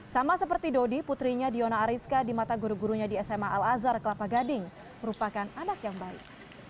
sama seperti dodi putrinya diona ariska di mata guru gurunya di sma al azhar kelapa gading merupakan anak yang baik